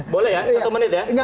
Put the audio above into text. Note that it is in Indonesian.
boleh ya satu menit ya